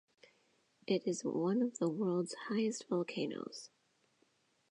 It is one of the world's highest volcanoes.